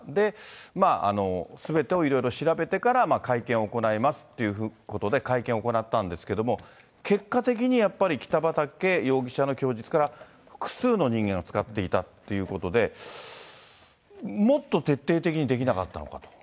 まあ、すべてをいろいろ調べてから、会見を行いますということで会見を行ったんですけれども、結果的にやっぱり北畠容疑者の供述から、複数の人間が使っていたっていうことで、もっと徹底的にできなかったのかと。